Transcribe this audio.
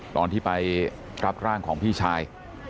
ตอนที่ไปรับร่างของพี่ชาย